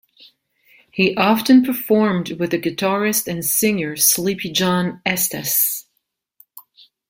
He often performed with the guitarist and singer Sleepy John Estes.